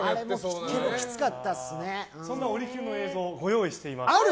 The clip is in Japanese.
そんな「オリキュン」の映像をご用意しています。